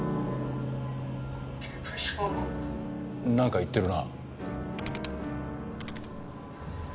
「」なんか言ってるな。